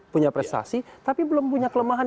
punya prestasi tapi belum punya kelemahan